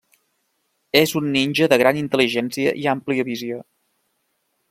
És un ninja de gran intel·ligència i àmplia visió.